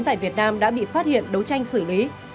tại việt nam đã bị phát hiện đấu tranh xử lý